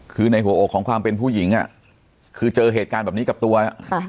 คือในหัวอกของความเป็นผู้หญิงอ่ะคือเจอเหตุการณ์แบบนี้กับตัวค่ะ